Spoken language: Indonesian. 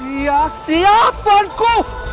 iya siap tuanku